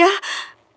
bolehkah aku tahu nama